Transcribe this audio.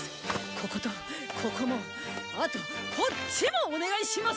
こことここもあとこっちもお願いします。